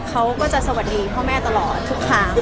เขาก็จะสวัสดีพ่อแม่ตลอดทุกครั้ง